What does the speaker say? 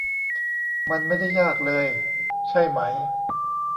มันไม่ได้ยากเลย ใช่ไหม